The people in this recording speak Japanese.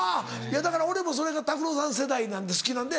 だから俺もそれが拓郎さん世代なんで好きなんで。